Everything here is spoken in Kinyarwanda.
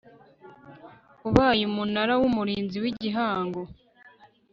ubaye umunara w umurinzi w'igihango